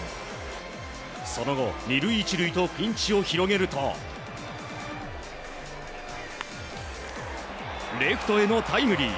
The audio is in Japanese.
その後、２塁１塁とピンチを広げるとレフトへのタイムリー。